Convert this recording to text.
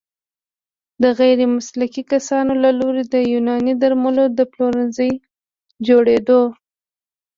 د غیرمسلکي کسانو له لوري د يوناني درملو د پلورنځيو جوړیدو